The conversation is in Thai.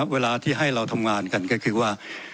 เวลาที่ให้เราทำงานกันก็คือว่า